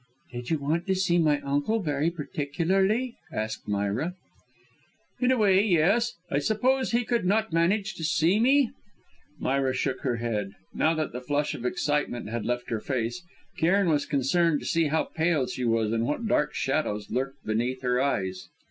"Did you want to see my uncle very particularly?" asked Myra. "In a way, yes. I suppose he could not manage to see me " Myra shook her head. Now that the flush of excitement had left her face, Cairn was concerned to see how pale she was and what dark shadows lurked beneath her eyes.